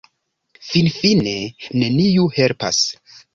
Finfine neniu helpas.